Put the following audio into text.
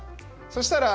そしたら。